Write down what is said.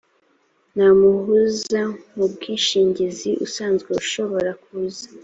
nta muhuza mu bwishingizi usanzwe ushobora kuza